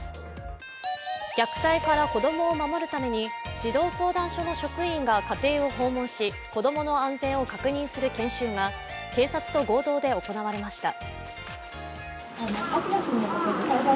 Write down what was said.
虐待から子供を守るために児童相談所の職員が家庭を訪問し子供の安全を確認する研修が警察と合同で行われました。